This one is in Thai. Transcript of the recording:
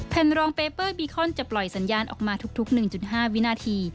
รองเปเปอร์บีคอนจะปล่อยสัญญาณออกมาทุก๑๕วินาที